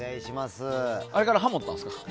あれからハモったんですか？